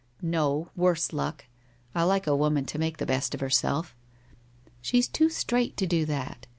* No, worse luck ! I like a woman to make the best of herself/ ' She's too straight to do that.